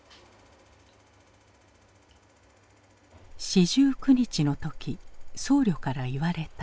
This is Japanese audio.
四十九日の時僧侶から言われた。